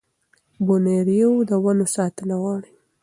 بورنېو د ونو ساتنه غواړي.